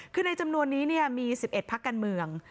คือในจำนวนนี้มี๑๑พักการเมือง